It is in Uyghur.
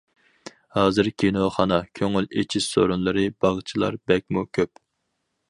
ھازىر كىنوخانا، كۆڭۈل ئېچىش سورۇنلىرى، باغچىلار بەكمۇ كۆپ.